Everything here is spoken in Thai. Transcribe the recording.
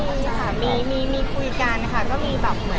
ก็มีมีมาบ้างอะไรอย่างนี้ค่ะ